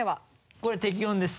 これ適温です。